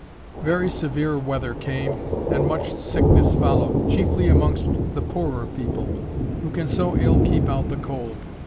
Very severe weather came, and much sickness followed, chiefly amongst the poorer people, who can so ill keep out the cold.